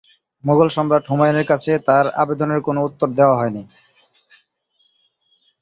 মোগল সম্রাট হুমায়ুনের কাছে তার আবেদনের কোনো উত্তর দেয়া হয়নি।